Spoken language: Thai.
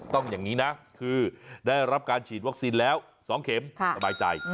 อย่างนี้นะคือได้รับการฉีดวัคซีนแล้ว๒เข็มสบายใจ